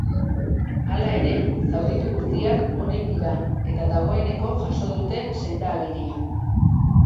Hala ere, zauritu guztiak onik dira eta dagoeneko jaso dute senda-agiria.